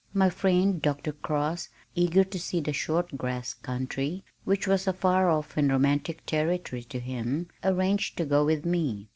My friend, Dr. Cross, eager to see The Short Grass Country which was a far off and romantic territory to him, arranged to go with me.